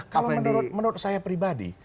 kalau menurut saya pribadi